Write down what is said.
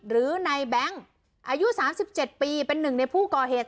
หรือในแบงค์อายุ๓๗ปีเป็นหนึ่งในผู้ก่อเหตุ